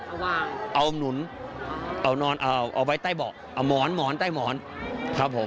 เพราะว่าเอาหนุนเอานอนเอาเอาไว้ใต้เบาะเอาหมอนหมอนใต้หมอนครับผม